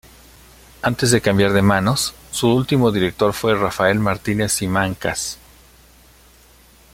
Antes de cambiar de manos, su último director fue Rafael Martínez-Simancas.